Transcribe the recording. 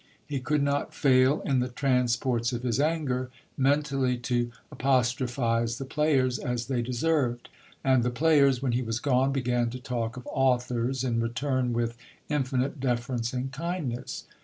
He could not fail, in the transports of his anger, mentally to apostrophize the players as they deserved : and the players, when he was gone, began to talk of authors in return with infinite deference and kindness.